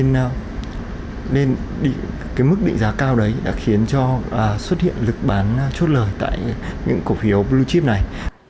nên định cái mức định giá cao đấy đã khiến cho xuất hiện lực bán chốt lời tại những cổ phiếu blue chip này